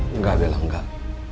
enggak bella enggak